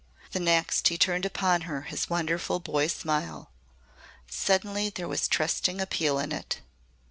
The next he turned upon her his wonderful boy's smile. Suddenly there was trusting appeal in it.